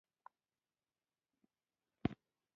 هېڅکله مې هم د مرغیو بول په احاطه کې نه دي لیدلي.